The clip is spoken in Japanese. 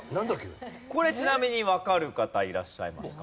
これちなみにわかる方いらっしゃいますか？